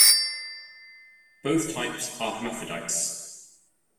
Both types are hermaphrodites.